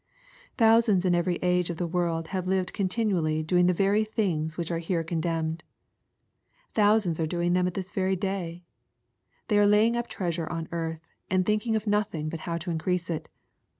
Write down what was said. Thousands in every age of the world have lived continually doing the very things which are here condemned. Thousands are doing them at this very day They are laying up treasure upon earth, and thinking of nothing but how to increase it.